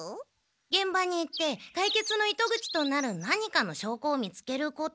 現場に行って解決の糸口となる何かの証拠を見つけること。